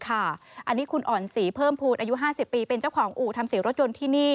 อันนี้คุณอ่อนศรีเพิ่มภูลอายุ๕๐ปีเป็นเจ้าของอู่ทำสีรถยนต์ที่นี่